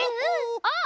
あっ！